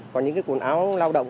còn những cái quần áo lao động